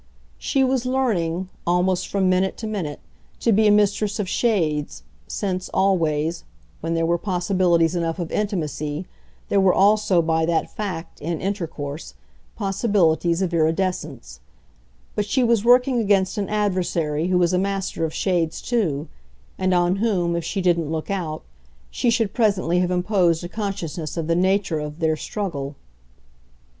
She was learning, almost from minute to minute, to be a mistress of shades since, always, when there were possibilities enough of intimacy, there were also, by that fact, in intercourse, possibilities of iridescence; but she was working against an adversary who was a master of shades too, and on whom, if she didn't look out, she should presently have imposed a consciousness of the nature of their struggle.